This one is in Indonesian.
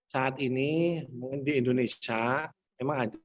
saat ini di indonesia memang ada kelangkaan vaksin